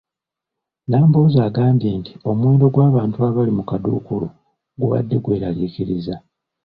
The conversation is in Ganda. Nambooze agambye nti omuwendo gw'abantu abali mu kaduukulu gubadde gweraliikiriza.